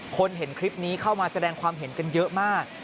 เห็นคลิปนี้เข้ามาแสดงความเห็นกันเยอะมาก